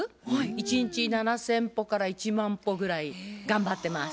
１日７，０００歩から１万歩ぐらい頑張ってます。